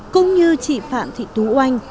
cũng như chị phạm thị tú oanh